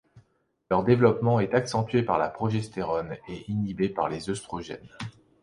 Leur développement est accentué par la progestérone et inhibé par les œstrogènes.